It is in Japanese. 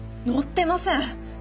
乗ってません！